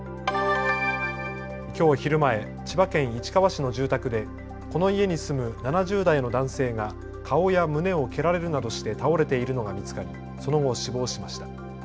きょう昼前、千葉県市川市の住宅でこの家に住む７０代の男性が顔や胸を蹴られるなどして倒れているのが見つかりその後死亡しました。